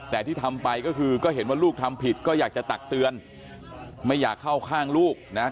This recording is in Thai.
แต่ที่ทำไปก็คือก็เห็นว่าลูกทำผิดก็อยากจะตักเตือนไม่อยากเข้าข้างลูกนะ